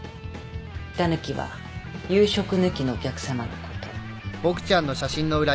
「タヌキ」は夕食抜きのお客さまのこと。